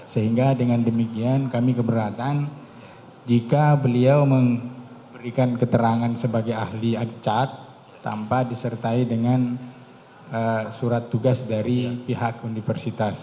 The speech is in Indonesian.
sehingga dengan demikian kami keberatan jika beliau memberikan keterangan sebagai ahli ag cat tanpa disertai dengan surat tugas dari pihak universitas